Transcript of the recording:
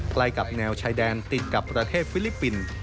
ใกล้กับแนวชายแดนติดกับประเทศฟิลิปปินส์